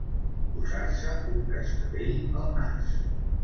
Posar-se un cascavell al nas.